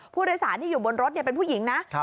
ผู้โดยสารที่อยู่บนรถเป็นผู้หญิงนะ